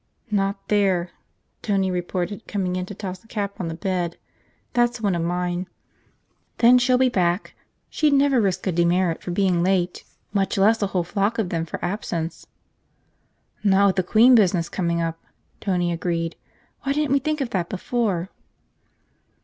"Not there," Tony reported, coming in to toss a cap on the bed. "That's one of mine." "Then she'll be back. She'd never risk a demerit for being late, much less a whole flock of them for absence." "Not with the queen business coming up," Tony agreed. "Why didn't we think of that before?"